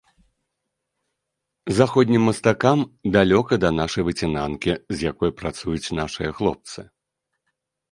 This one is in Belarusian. Заходнім мастакам далёка да нашай выцінанкі, з якой працуюць нашыя хлопцы.